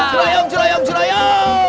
cura yam cura yam cura yam